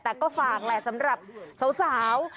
แต่ก็ฝากแหละสำหรับสาว